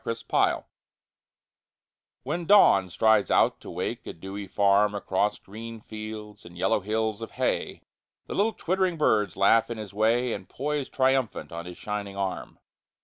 Alarm Clocks When Dawn strides out to wake a dewy farm Across green fields and yellow hills of hay The little twittering birds laugh in his way And poise triumphant on his shining arm.